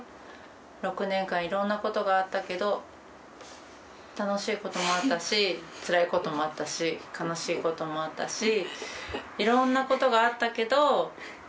６年間いろんなことがあったけど楽しいこともあったしつらいこともあったし悲しいこともあったしいろんなことがあったけど本当に。